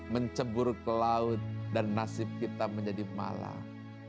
mencebur ke laut dan nasib kita menjadi malang